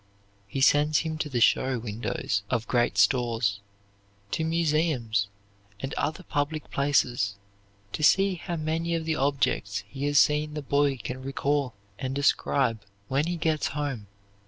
He sends him to the show windows of great stores, to museums and other public places to see how many of the objects he has seen the boy can recall and describe when he gets home.